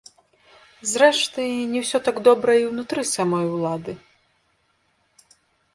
Зрэшты, не ўсё так добра і ўнутры самой улады.